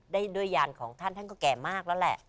ด้วยยานของท่านท่านก็แก่มากแล้วแหละ